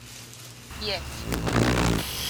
یک